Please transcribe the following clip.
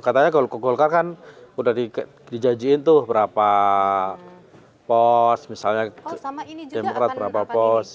katanya kalau kukulkar kan udah dijajiin tuh berapa pos misalnya demokrasi berapa pos